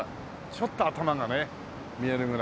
ちょっと頭がね見えるぐらいの。